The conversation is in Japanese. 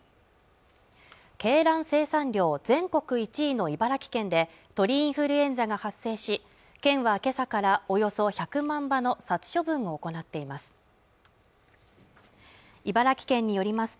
鶏卵生産量全国１位の茨城県で鳥インフルエンザが発生し県はけさからおよそ１００万羽の殺処分を行っています